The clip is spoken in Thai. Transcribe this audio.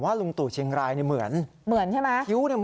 ผมว่าลุงตู่เชียงรายเนี่ยเหมือนเหมือนใช่ไหม